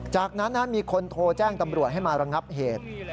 จากนั้นมีคนโทรแจ้งตำรวจให้มาระงับเหตุ